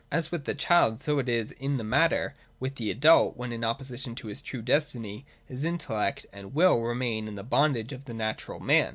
As with the child so it is in this matter with the adult, when, in opposition to his true destiny, his intellect and will remain in the bondage of the natural man.